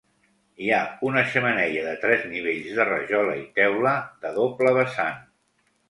Hi ha una xemeneia de tres nivells de rajola i teula, de doble vessant.